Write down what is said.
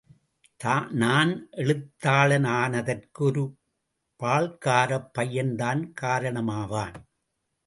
நான் எழுத்தாளனானதற்கு ஒரு பால்காரப் பையன்தான் காரணமாவான்.